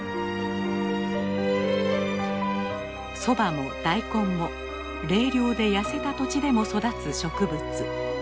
そばもダイコンも冷涼で痩せた土地でも育つ植物。